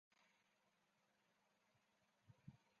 这是一个大胆的要求。